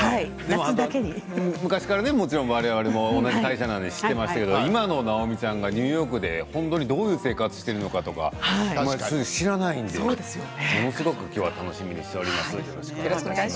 昔から我々も同じ会社なので知っていますが今の直美ちゃんがニューヨークでどういう生活をしているのかとか知らないのでものすごく今日は楽しみにしております。